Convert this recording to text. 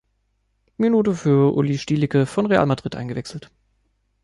Minute für Uli Stielike von Real Madrid eingewechselt.